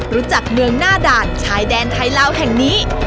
รู้จักเมืองหน้าด่านชายแดนไทยเหล้าแห่งนี้